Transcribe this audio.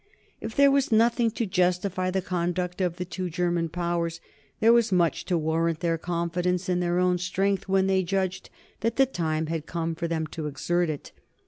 If there was nothing to justify the conduct of the two German Powers, there was much to warrant their confidence in their own strength when they judged that the time had come for them to exert it.